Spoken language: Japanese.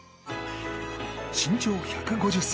身長１５０ｃｍ。